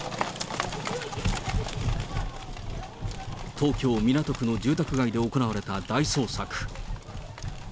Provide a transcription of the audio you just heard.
東京・港区の住宅街で行われた大捜索。